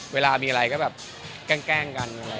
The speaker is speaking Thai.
เวลามีอะไรก็แบบแกล้งกัน